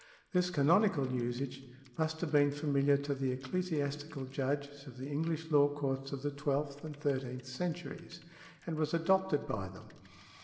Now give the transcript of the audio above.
This canonical usage must have been familiar to the ecclesiastical judges of the English law courts of the twelfth and thirteenth centuries, and was adopted by them.